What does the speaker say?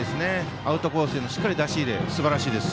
アウトコースへの出し入れすばらしいです。